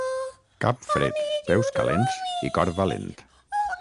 Cap fred, peus calents i cor valent.